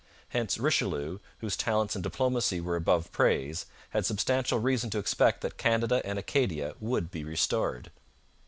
Hence Richelieu, whose talents in diplomacy were above praise, had substantial reason to expect that Canada and Acadia would be restored.